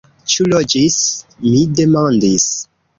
Ĉu loĝis? mi demandis.